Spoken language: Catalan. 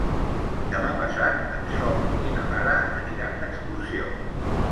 Demà passat en Sol i na Lara aniran d'excursió.